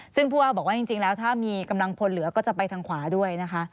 ซึ่งผู้ว่าบอกว่าจริงแล้วถ้ามีกำลังพลเหลือก็จะไปทางขวาด้วยนะคะ